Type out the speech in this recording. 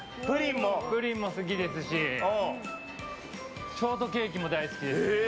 プリンも好きですしショートケーキも大好きですし。